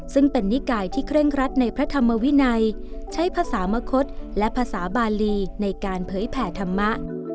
ซึ่งเป็นนิกายที่เคร่งครัดในพระธรรมวินัยใช้ภาษามคตและภาษาบาลีในการเผยแผ่ธรรมะ